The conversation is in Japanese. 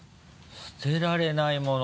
捨てられないもの。